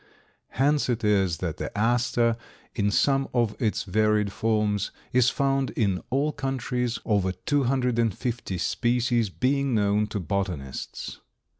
Hence it is that the Aster, in some of its varied forms, is found in all countries, over two hundred and fifty species being known to botanists.